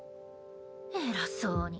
偉そうに。